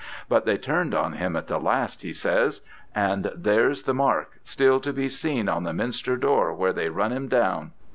But they turned on him at the last, he says, and there's the mark still to be seen on the minster door where they run him down.